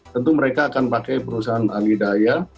tentu mereka akan pakai perusahaan alidaya